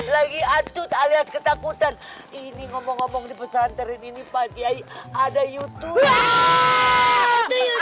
lagi atut alias ketakutan ini ngomong ngomong di pesantren ini pak kiai ada youtube